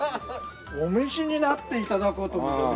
お召しになって頂こうと思ってね。